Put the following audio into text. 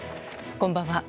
こんばんは。